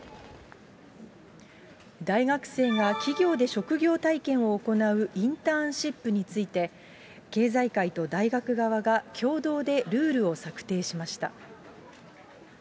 大学生が企業で職業体験を行うインターンシップについて、経済界と大学側が共同でルールを策定しました。